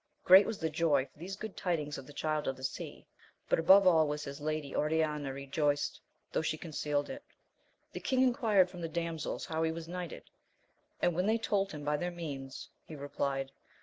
Great was the joy for these good tidings of the Child of the Sea : but above all was his lady Oriana rejoiced, though she concealed it. The king enquired from the damsels how he was knighted, and when they told him by their means, he replied.